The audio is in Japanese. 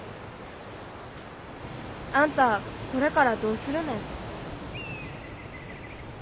あんたこれからどうするね？